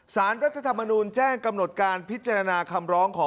สารรัฐธรรมนูลแจ้งกำหนดการพิจารณาคำร้องของ